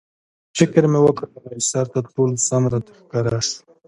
فکر مې وکړ، بالاحصار تر ټولو سم راته ښکاره شو.